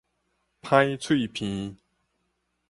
歹喙鼻